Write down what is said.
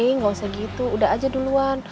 eh gak usah gitu udah aja duluan